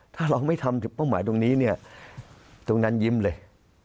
ถ้าเราไม่ทำเป้าหมายตรงนี้เนี่ยตรงนั้นยิ้มเลย